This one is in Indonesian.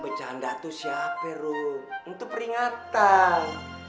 bercanda tuh siapa rom itu peringatan